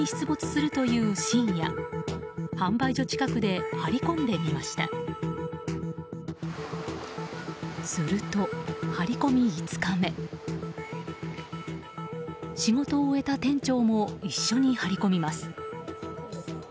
すると、張り込み５日目仕事を終えた店長も一緒に張り込みます。